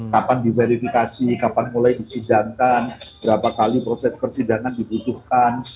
kapan diverifikasi kapan mulai disidangkan berapa kali proses persidangan dibutuhkan